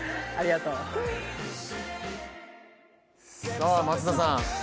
さあ、松田さん。